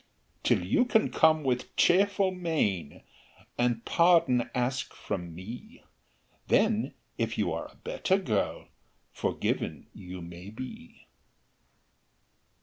"Till you can come with cheerful mien, And pardon ask from me; Then, if you are a better girl, Forgiven you may be."